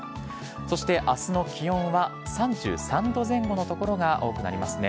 そして、あすの気温は３３度前後の所が多くなりますね。